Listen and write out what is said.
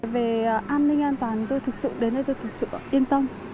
về an ninh an toàn tôi thực sự đến đây tôi thực sự yên tâm